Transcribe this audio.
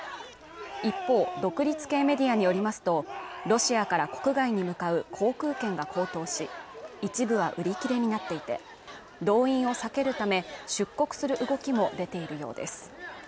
一方独立系メディアによりますとロシアから国外に向かう航空券が高騰し一部は売り切れになっていて動員を避けるため出国する動きも出ているようです